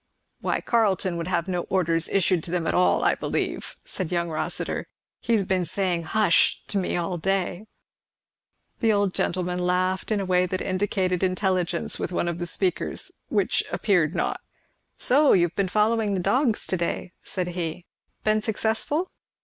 "Why Carleton would have no orders issued to them at all, I believe," said young Rossitur; "he has been saying 'hush' to me all day." The old gentleman laughed in a way that indicated intelligence with one of the speakers, which, appeared not. "So you've been following the dogs to day," said he. "Been successful?"